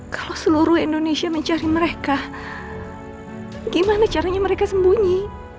kalau seluruh indonesia mencari mereka gimana caranya mereka sembunyi